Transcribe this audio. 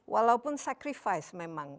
walaupun sacrifice memang